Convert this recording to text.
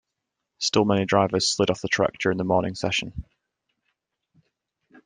Still many drivers slid off the track during the morning session.